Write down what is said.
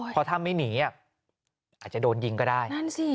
พอทำไม่หนีอ่ะอาจจะโดนยิงก็ได้